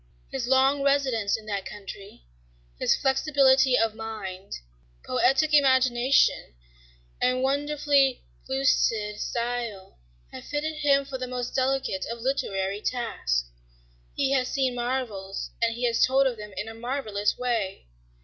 His long residence in that country, his flexibility of mind, poetic imagination, and wonderfully pellucid style have fitted him for the most delicate of literary tasks. He has seen marvels, and he has told of them in a marvelous way.